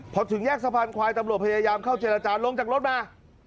พอถึงแยกสะพานควายตำรวจพยายามเข้าเจรจาลงจากรถมา